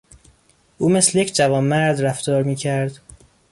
او مثل یک جوانمرد رفتار میکرد.